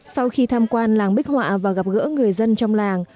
sau khi tham quan làng bích họa và gặp gỡ người dân trong làng